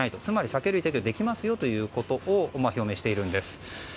つまり酒類の提供はできますよということを表明しているんです。